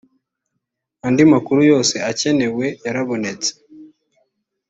andi makuru yose akenewe yarabonetse